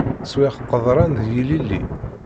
Swiɣ qeḍran d yilili.